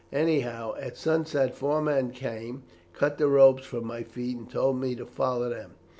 Anyhow at sunset four men came, cut the ropes from my feet, and told me to follow them.